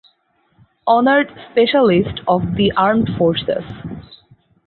Honored Specialist of the Armed Forces.